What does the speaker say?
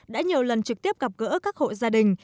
đã nhiều lần trực tiếp gặp gỡ các hộ gia đình